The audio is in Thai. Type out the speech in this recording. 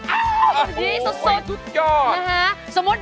อ้าวสุด